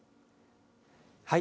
はい。